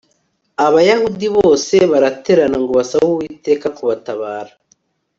Abayuda bose baraterana ngo basabe Uwiteka kubatabara